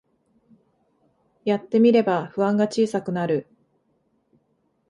やってみれば不安が小さくなる